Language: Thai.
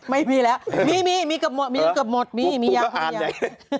ไม่มีแล้วมีกับหมดมียังก็อ่านอย่างนี้